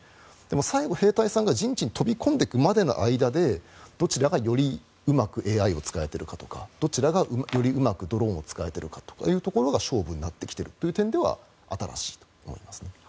最後、兵隊さんが陣地に飛び込んでいくまでの間でどちらがよりうまくＡＩを使えているかとかどちらがよりうまくドローンを使えるかというところが勝負になってきているという点では新しいと思いますね。